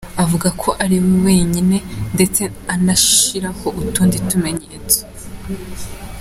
avuga ko ariwe wenyine, ndetse anashyiraho utundi tumenyetso